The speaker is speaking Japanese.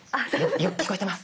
よく聞こえてます